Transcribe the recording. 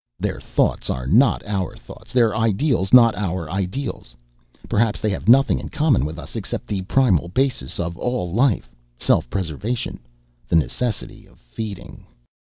"Their thoughts are not our thoughts, their ideals not our ideals. Perhaps they have nothing in common with us except the primal basis of all life, self preservation, the necessity of feeding.